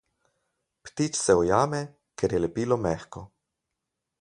Ptič se ujame, ker je lepilo mehko.